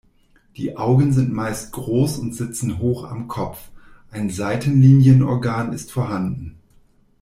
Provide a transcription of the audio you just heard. Die Augen sind meist groß und sitzen hoch am Kopf, ein Seitenlinienorgan ist vorhanden.